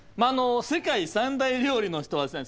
世界三大料理の人はですね